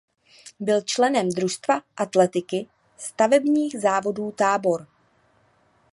Byl členem družstva atletiky Stavebních závodů Tábor.